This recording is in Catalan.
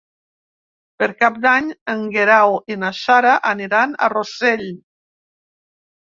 Per Cap d'Any en Guerau i na Sara aniran a Rossell.